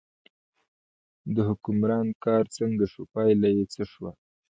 د حکمران کار څنګه شو، پایله یې څه شوه.